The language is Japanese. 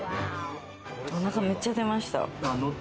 お腹、めっちゃ出ました。